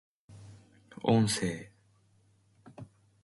音声